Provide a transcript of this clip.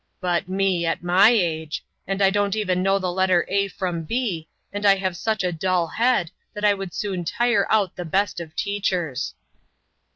But me! at my age! and I don't even know the letter A from B, and I have such a dull head that I would soon tire out the best of teachers."